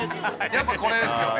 ◆やっぱこれですよね。